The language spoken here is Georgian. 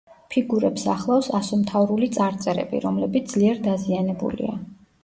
ფიგურებს ახლავს ასომთავრული წარწერები, რომლებიც ძლიერ დაზიანებულია.